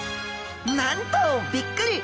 なんとびっくり！